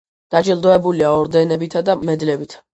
დაჯილდოებულია ორდენებითა და მედლებით.